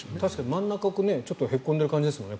真ん中、ちょっとへっこんでいる感じですもんね。